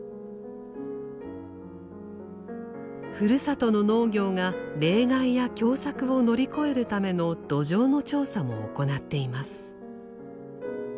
ふるさとの農業が冷害や凶作を乗り越えるための土壌の調査も行っています。